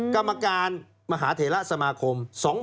กรรมการมหาเถระสมาคม๒๕๖